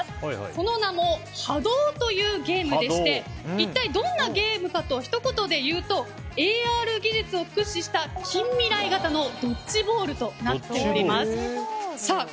その名も、ハドーというゲームで一体どんなゲームかとひと言でいうとＡＲ技術を駆使した近未来型のドッジボールとなっております。